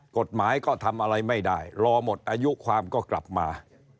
กฎหมายก็ทำอะไรไม่ได้รอหมดอายุความก็กลับมา